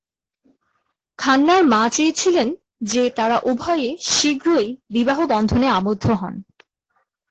খান্নার মা চেয়েছিলেন যে তাঁরা উভয়ে শীঘ্রই বিবাহ বন্ধনে আবদ্ধ হন।